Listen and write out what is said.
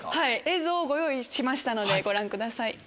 映像をご用意しましたのでご覧ください。